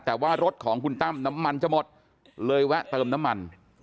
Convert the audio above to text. แต่ว่ารถของคุณตั้มน้ำมันจะหมดเลยแวะเติมน้ำมัน